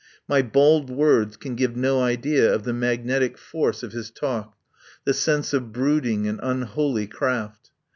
My bald words can give no idea of the magnetic force of his talk, the sense of brood ing and unholy craft.